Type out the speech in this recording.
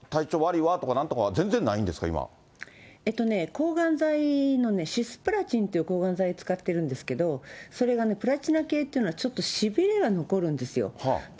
えっとね、抗がん剤の、シスプラチンという抗がん剤を使っているんですけど、それがね、プラチナけいっていうのは、ちょっとしびれが残るんですよ。